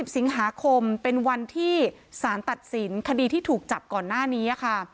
สิงหาคมเป็นวันที่สารตัดสินคดีที่ถูกจับก่อนหน้านี้ค่ะ